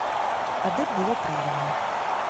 Тады б было правільна.